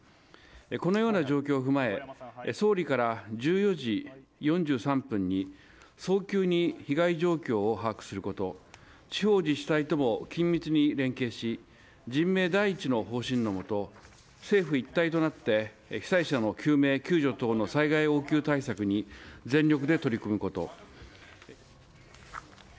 このような状況を踏まえ総理から１４時４３分に早急に被害状況を把握すること地方自治体とも緊密に連携し人命第一の方針のもと政府一体となって被災者の救命・救助等の災害応急対策に全力で取り組むこと。